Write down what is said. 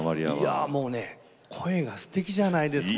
いやもうね声がすてきじゃないですか。